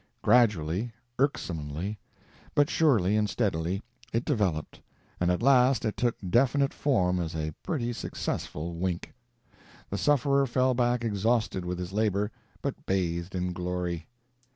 Gradually, irksomely, but surely and steadily, it developed, and at last it took definite form as a pretty successful wink. The sufferer fell back exhausted with his labor, but bathed in glory.